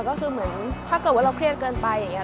ก็คือเหมือนถ้าเกิดว่าเราเครียดเกินไปอย่างนี้